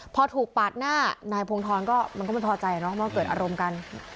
พอถูกปาดหน้านายพงธรก็มันก็ไม่พอใจเนาะว่าเกิดอารมณ์กัน